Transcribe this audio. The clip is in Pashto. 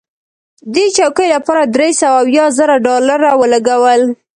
دې چوکۍ لپاره درې سوه اویا زره ډالره ولګول.